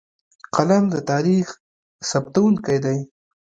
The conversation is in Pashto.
قلم د تاریخ ثبتونکی دی.